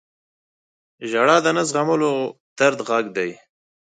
• ژړا د نه زغملو درد غږ دی.